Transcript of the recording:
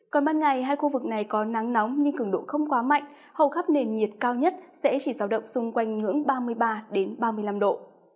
còn ban ngày hai khu vực này có nắng nóng nhưng cường độ không quá mạnh hầu khắp nền nhiệt cao nhất sẽ chỉ rào động xung quanh ngưỡng ba mươi ba ba mươi năm độ